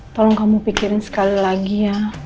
tolong kamu pikirin sekali lagi ya